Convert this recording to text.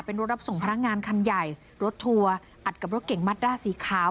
เป็นรถรับส่งพนักงานคันใหญ่รถทัวร์อัดกับรถเก่งมัดด้าสีขาว